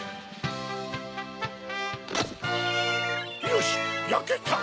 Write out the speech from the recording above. よしやけた！